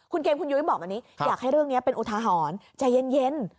คุณเกมคุณยุ้ยบอกแบบนี้อยากให้เรื่องนี้เป็นอุทาหรณ์ใจเย็น